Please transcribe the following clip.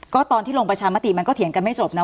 ก็ตอนที่ลงประชามติมันก็เถียงกันไม่จบนะ